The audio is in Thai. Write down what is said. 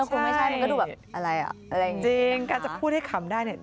มุกต้องมีคำกลอน